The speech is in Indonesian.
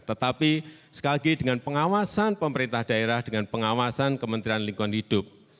tetapi sekali lagi dengan pengawasan pemerintah daerah dengan pengawasan kementerian lingkungan hidup